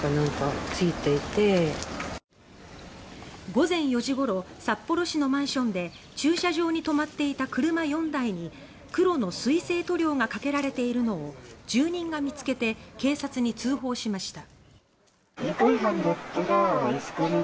午前４時ごろ札幌市のマンションで駐車場に止まっていた車４台に黒の水性塗料がかけられているのを住人が見つけて警察に通報しました。